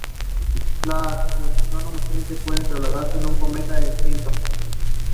Los astrónomos creen que puede tratarse de un cometa extinto.